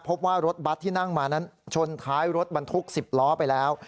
พบว่ารถบัตรที่นั่งมานั้นชนท้ายรถบรรทุก๑๐ล้อไปแล้ว